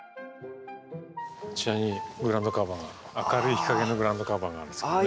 こちらにグラウンドカバーが明るい日かげのグラウンドカバーがあるんですけどね。